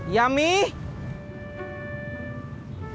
ya mi berangkat sekarang